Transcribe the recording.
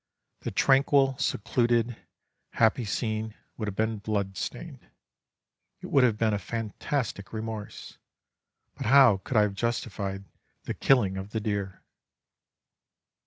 The tranquil, secluded, happy scene would have been blood stained. It would have been a fantastic remorse, but how could I have justified the killing of the deer?